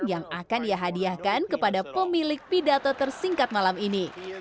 yang akan dihadiahkan kepada pemilik pidato tersingkat malam ini